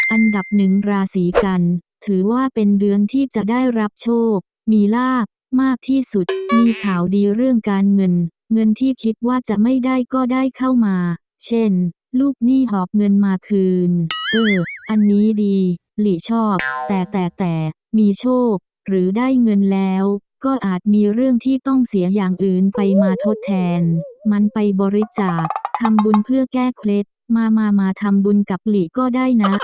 อันดับหนึ่งราศีกันถือว่าเป็นเดือนที่จะได้รับโชคมีลาบมากที่สุดมีข่าวดีเรื่องการเงินเงินที่คิดว่าจะไม่ได้ก็ได้เข้ามาเช่นลูกหนี้หอบเงินมาคืนเอออันนี้ดีหลีชอบแต่แต่มีโชคหรือได้เงินแล้วก็อาจมีเรื่องที่ต้องเสียอย่างอื่นไปมาทดแทนมันไปบริจาคทำบุญเพื่อแก้เคล็ดมามาทำบุญกับหลีก็ได้นะ